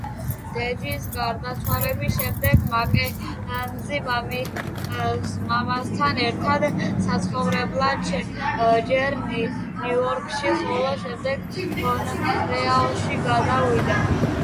დედის გარდაცვალების შემდეგ, მაკენზი მამამისთან ერთად საცხოვრებლად ჯერ ნიუ-იორკში, ხოლო შემდეგ მონრეალში გადავიდა.